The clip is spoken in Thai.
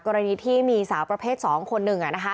กรณีที่มีสาวประเภท๒คนหนึ่ง